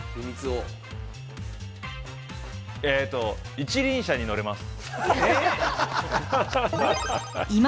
一輪車に乗れます。